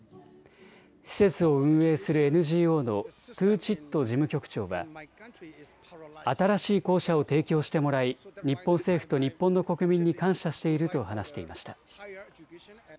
施設を運営するＮＧＯのトゥー・チット事務局長は新しい校舎を提供してもらい日本政府と日本の国民に感謝していると話していました。